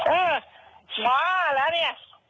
เออมาแล้วเนี่ย